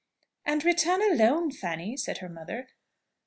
"And return alone, Fanny?" said her mother.